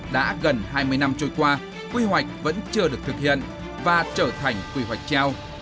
đã gần hai mươi năm trôi qua quy hoạch vẫn chưa được thực hiện và trở thành quy hoạch treo